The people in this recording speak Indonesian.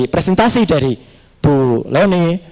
presentasi dari bu leni